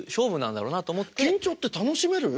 緊張って楽しめる？